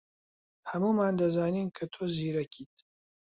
ھەموومان دەزانین کە تۆ زیرەکیت.